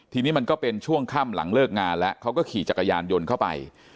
ทีนี้มันก็เป็นช่วงค่ำหลังเลิกงานแล้วเขาก็ขี่จักรยานยนต์เข้าไป